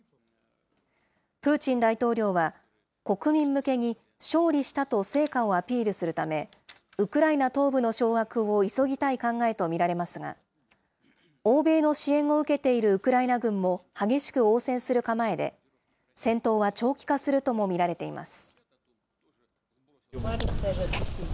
プーチン大統領は、国民向けに勝利したと成果をアピールするため、ウクライナ東部の掌握を急ぎたい考えと見られますが、欧米の支援を受けているウクライナ軍も、激しく応戦する構えで、戦闘は長期化するとも見られています。